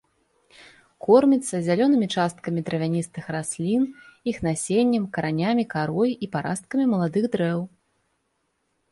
Корміцца зялёнымі часткамі травяністых раслін, іх насеннем, каранямі, карой і парасткамі маладых дрэў.